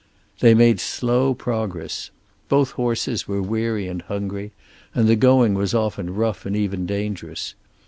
They made slow progress. Both horses were weary and hungry, and the going was often rough and even dangerous.